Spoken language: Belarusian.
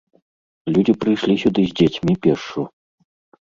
Людзі прыйшлі сюды з дзецьмі пешшу.